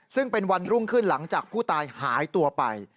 ซึ่งเป็นวันรุ่งขึ้นหลังจากผู้ตายหายตัวไป